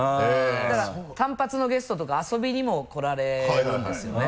だから単発のゲストとか遊びにも来られるんですよね。